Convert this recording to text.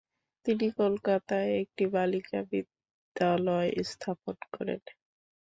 তিনি কলকাতায় একটি বালিকা বিদ্যালয় স্থাপন করেন।